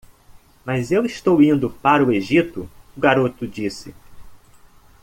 "Mas eu estou indo para o Egito?" o garoto disse.